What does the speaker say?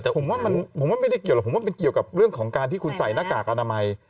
แต่ผมว่าผมว่าไม่ได้เกี่ยวหรอกผมว่าเป็นเกี่ยวกับเรื่องของการที่คุณใส่หน้ากากอนามัย